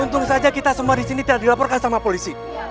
untung saja kita semua di sini tidak dilaporkan sama polisi